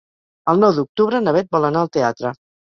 El nou d'octubre na Beth vol anar al teatre.